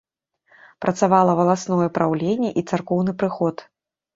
Працавала валасное праўленне і царкоўны прыход.